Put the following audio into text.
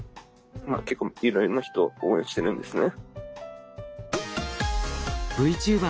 まあ結構いろいろな人を応援してるんですね。